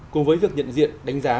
cùng với việc nhận diện đánh giá